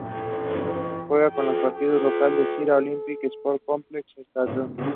Juega sus partidos de local en el Zira Olympic Sport Complex Stadium.